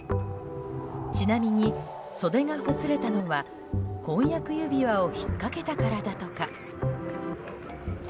ちなみに、袖がほつれたのは婚約指輪を引っ掛けたからだとか。